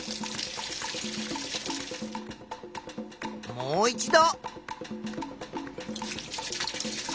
もう一度。